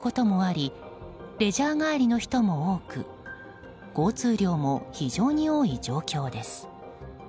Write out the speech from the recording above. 週末の夕方ということもありレジャー帰りの人も多く交通量も非常に多い状況です。